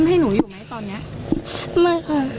ไม่ค่ะ